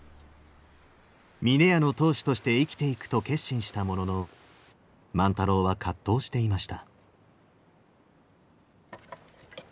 峰屋の当主として生きていくと決心したものの万太郎は葛藤していました。